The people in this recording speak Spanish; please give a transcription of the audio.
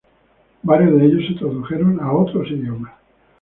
Varios de ellos se tradujeron a otros idiomas.